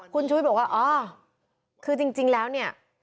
คุณชุวิตบอกว่าอ๋อคือจริงแล้วเนี่ย